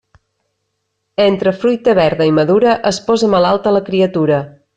Entre fruita verda i madura, es posa malalta la criatura.